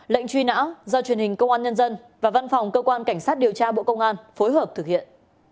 lệnh truy nã do truyền hình công an nhân dân và văn phòng cơ quan cảnh sát điều tra bộ công an phối hợp thực hiện